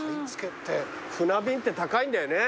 船便って高いんだよね。